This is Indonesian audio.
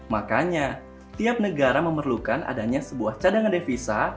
makanya tiap negara memerlukan adanya sebuah cadangan devisa